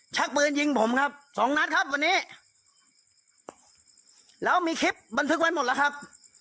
ชักปืนยิงผมครับสองนัดครับวันนี้แล้วมีคลิปบันทึกไว้หมดแล้วครับ